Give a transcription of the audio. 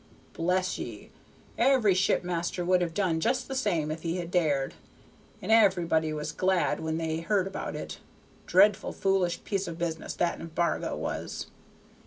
Bless ye! every shipmaster would have done just the same if he had dared, and everybody was glad when they heard about it. Dreadful foolish piece of business that embargo was!